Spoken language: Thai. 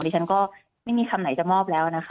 ฉันก็ไม่มีคำไหนจะมอบแล้วนะคะ